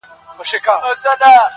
د وطن په قدر مساپر ښه پوهېږي -